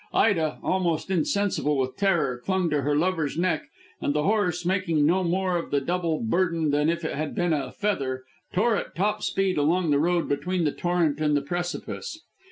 Ida, almost insensible with terror, clung to her lover's neck, and the horse, making no more of the double burden than if it had been a feather, tore at top speed along the road between the torrent and the precipice.